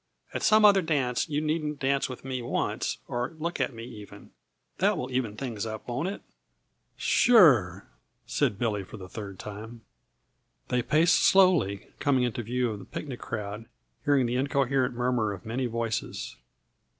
At some other dance you needn't dance with me once, or look at me, even That will even things up, won't it?" "Sure," said Billy for the third time. They paced slowly, coming into view of the picnic crowd, hearing the incoherent murmur of many voices.